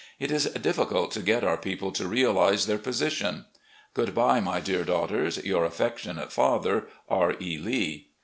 It is difficult to get our people to realise their position. ... Good bye, my dear daughters. " Yoxu affectionate father, "R. E. Lee."